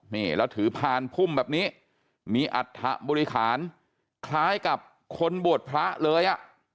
นี่แล้วถือพานพุ่มแบบนี้มีอัฐบริหารคล้ายกับคนบวชพระเลยอ่ะ